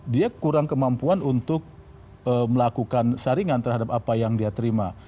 dia kurang kemampuan untuk melakukan saringan terhadap apa yang dia terima